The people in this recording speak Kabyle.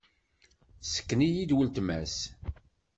Tesseken-iyi-d uletma-s.